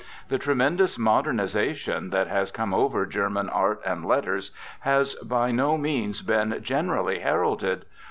The tremendous modernisation that has come over German art and letters has by no means been generally heralded.